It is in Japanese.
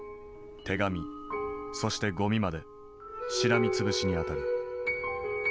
手紙そしてゴミまでしらみつぶしにあたる。